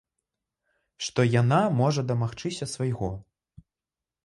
Што яна можа дамагчыся свайго.